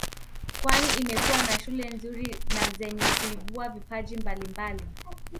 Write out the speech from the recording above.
Kwani imekuwa na shule nzuri na zenye kuibua vipaji mbalimbali